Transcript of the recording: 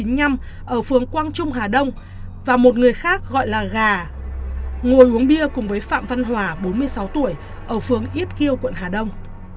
năm một nghìn chín trăm chín mươi năm ở phương quang trung hà đông và một người khác gọi là gà ngồi uống bia cùng với phạm văn hòa bốn mươi sáu tuổi ở phương ít kiêu quận hà đông